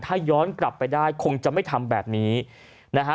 ถ้าย้อนกลับไปได้คงจะไม่ทำแบบนี้นะฮะ